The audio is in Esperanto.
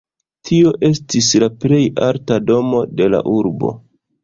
Tio estis la plej alta domo de la urbo.